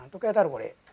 これ。